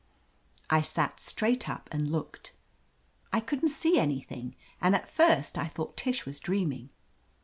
I sat straight up and looked. I couldn't see any thing, and at first I thought Tish was dream ing.